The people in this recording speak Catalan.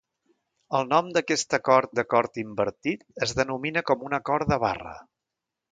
El nom d'aquest acord d'acord invertit es denomina com un acord de barra.